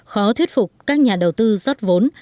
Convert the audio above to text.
khó thuyết phục các nhà đầu tư rót vốn